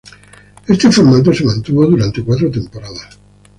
Este formato se mantuvo durante cuatro temporadas.